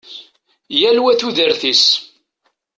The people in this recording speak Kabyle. Yal wa tudert-is.